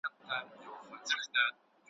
سبا اختر دی موري زه نوې بګړۍ نه لرم `